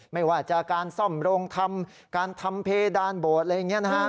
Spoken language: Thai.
ไม่ว่าจะการซ่อมโรงทำการทำเพดานโบสถอะไรอย่างนี้นะฮะ